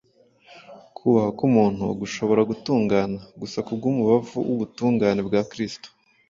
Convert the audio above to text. Kubaha k’umuntu gushobora gutungana gusa ku bw’umubavu w’ubutungane bwa Kristo,